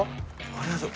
ありがとう。